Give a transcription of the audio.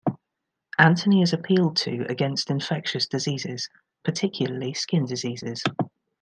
Anthony is appealed to against infectious diseases, particularly skin diseases.